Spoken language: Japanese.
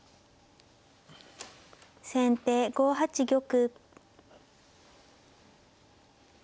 先手５八玉。